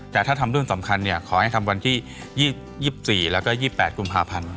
แต่ถ้าทำรุ่นสำคัญขอให้ทำวันที่๒๔แล้วก็๒๘กุมภาพันธ์